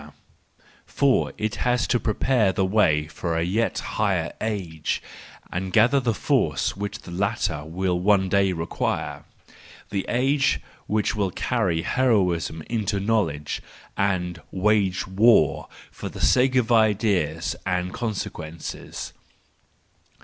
SANCTUS JANUARIUS 219 For it has to prepare the way for a yet higher age, and gather the force which the latter will one day require,—the age which will carry heroism into know¬ ledge, and wage war for the sake of ideas and their consequences.